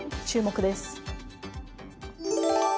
注目です。